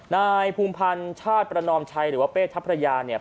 นายภูมิพันธ์ชาติประนอมชัยหรือว่าเป้ทัพพระยาเนี่ย